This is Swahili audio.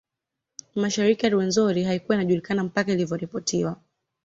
Mashariki ya Ruwenzori haikuwa inajulikana mpaka ilivyoripotiwa